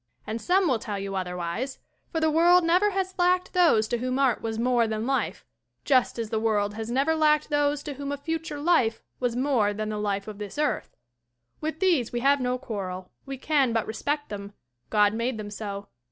And some will tell you otherwise, for the world never has lacked those to whom art was more than life just as the world has never lacked those to whom a future life was more than the life of this earth. With these we have no quarrel; we can but respect them; God made them so.